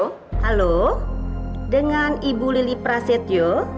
halo dengan ibu lili prasetyo